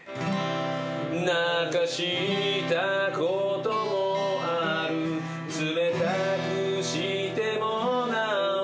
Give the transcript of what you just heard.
「泣かした事もある冷たくしてもなお」